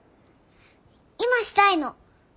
今したいの。